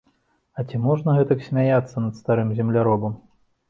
Ці ж можна гэтак смяяцца над старым земляробам?